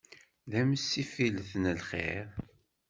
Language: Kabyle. D amsifillet n lxir.